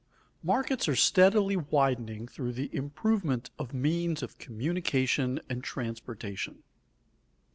_Markets are steadily widening through the improvement of means of communication and transportation.